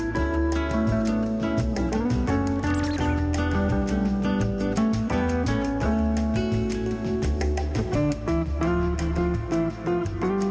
เวลาของรู้ก่อน